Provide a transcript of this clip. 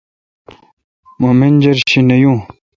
مہ منجر شی نہ یون